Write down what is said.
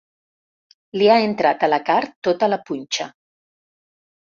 Li ha entrat a la carn tota la punxa.